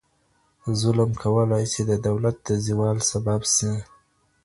ظلم کولای سي د دولت د زوال سبب سي.